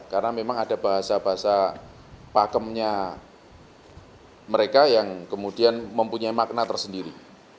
karena memang ada bahasa bahasa pakemnya mereka yang kemudian mempunyai makna tersendiri